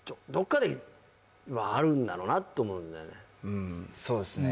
うんそうですね